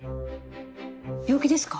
病気ですか？